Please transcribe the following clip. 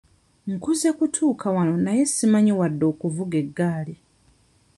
Nkuze kutuuka wano naye simanyi wadde okuvuga eggaali.